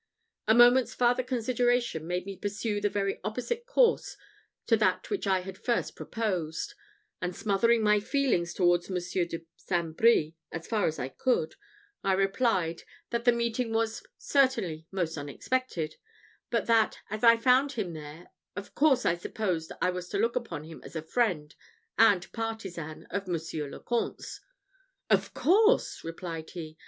A moment's farther consideration made me pursue the very opposite course to that which I had first proposed; and smothering my feelings towards Monsieur de St. Brie as far as I could, I replied, that the meeting was certainly most unexpected; but that, as I found him there, of course I supposed I was to look upon him as a friend and partisan of Monsieur le Comte's. "Of course!" replied he.